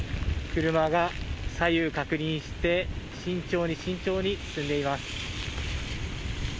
車が左右確認して慎重に慎重に進んでいます。